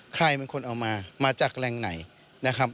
ใครเป็นคนเอามามาจากแรงไหนนะครับ